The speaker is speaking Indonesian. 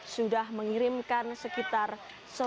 sudah mengirim keterbatasan aliran listrik di kota palu